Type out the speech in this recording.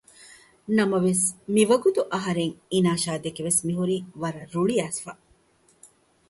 ނަމަވެސް މިވަގުތު އަހަރެން އިނާޝާދެކެ ވެސް މިހުރީ ވަރަށް ރުޅިއައިސްފަ